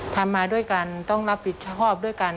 มาด้วยกันต้องรับผิดชอบด้วยกัน